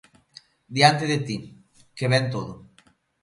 Diante de ti: "que ben todo".